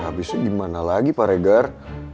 ya abisnya gimana lagi pak regar